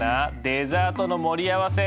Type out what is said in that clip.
デザートの盛り合わせ。